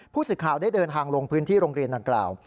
ผู้สื่อข่าวได้เดินทางลงพื้นที่โรงเรียนดังกล่าว